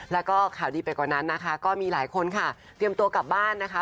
แล้วก็ข่าวดีไปกว่านั้นนะคะก็มีหลายคนค่ะเตรียมตัวกลับบ้านนะคะ